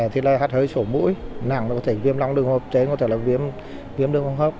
thì là hạt hơi sổ mũi nặng có thể viêm long đường hộp chế có thể là viêm đường hộp